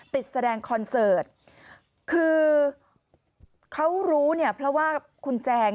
ติดแสดงคอนเสิร์ตคือเขารู้เพราะว่าคุณแจ้ง